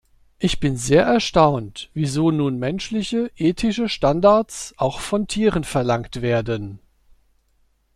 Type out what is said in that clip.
Ich bin sehr erstaunt, wieso nun menschliche, ethische Standards auch von Tieren verlangt werden.